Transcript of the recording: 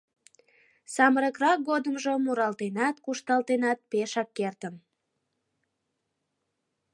Самырыкрак годымжо муралтенат, кушталтенат пешак кертын.